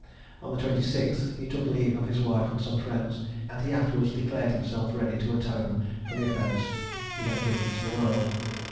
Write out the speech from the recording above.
On the 26th he took leave of his wife and some friends, and he afterwards declared himself ready to atone for the offence he had given to the world.